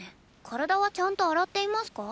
体はちゃんと洗っていますか？